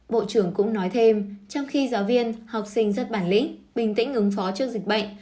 bộ trưởng cũng nói thêm trong khi giáo viên học sinh rất bản lĩnh bình tĩnh ứng phó trước dịch bệnh